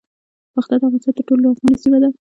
باختر د افغانستان تر ټولو لرغونې سیمه ده